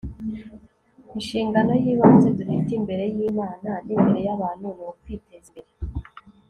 inshingano y'ibanze dufite imbere y'imana n'imbere y'abantu ni ukwiteza imbere